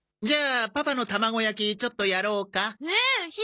じゃあパパの卵焼きちょっとやろうか？